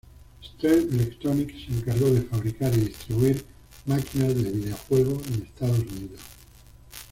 Stern Electronics se encargó de fabricar y distribuir máquinas del videojuego en Estados Unidos.